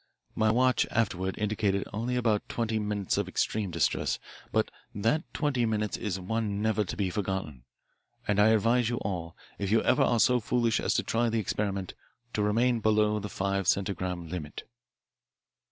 My watch afterward indicated only about twenty minutes of extreme distress, but that twenty minutes is one never to be forgotten, and I advise you all, if you ever are so foolish as to try the experiment, to remain below the five centigram limit.